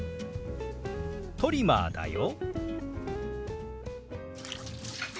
「トリマーだよ」。